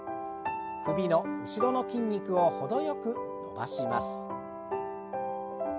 首の後ろの筋肉を程よく伸ばします。